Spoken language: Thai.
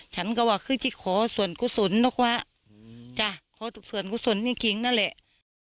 ฉันก็ว่าคือที่ขอส่วนกุศลนะครับจ้ะขอส่วนกุศลจริงจริงนั่นแหละ